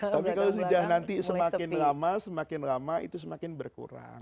tapi kalau sudah nanti semakin lama semakin lama itu semakin berkurang